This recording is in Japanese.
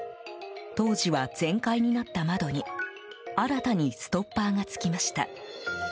当時は、全開になった窓に新たにストッパーがつきました。